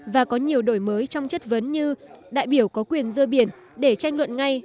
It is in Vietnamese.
và có nhiều đổi mới trong chấp vấn như đại biểu có quyền rơ biển để tranh luận ngay